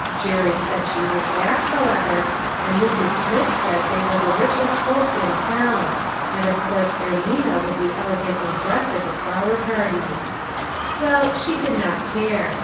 Jerry said she was back, how ever, and Mrs. Smith said they were the richest 306 LITTLE FISHERS: AND THEIR NETS. folks in town ; and of course Ermina would be elegantly dressed at the flower party. Well, she did not care.